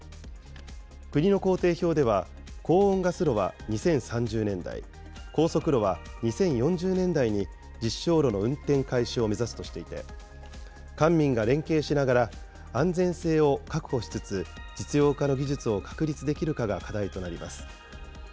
国の工程表では、高温ガス炉は２０３０年代、高速炉は２０４０年代に実証炉の運転開始を目指すとしていて、官民が連携しながら、安全性を確保しつつ、実用化の技術を確立できるかが課題となります。